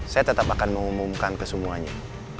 saya tetap akan mengumumkan ke semuanya